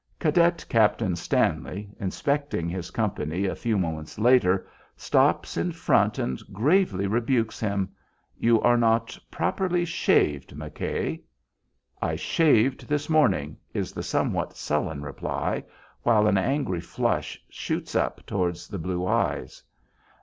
Cadet Captain Stanley, inspecting his company a few moments later, stops in front and gravely rebukes him, "You are not properly shaved, McKay." "I shaved this morning," is the somewhat sullen reply, while an angry flush shoots up towards the blue eyes.